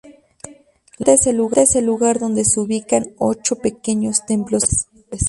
La meseta es el lugar donde se ubican ocho pequeños templos hindúes.